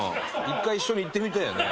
一回一緒に行ってみたいよね。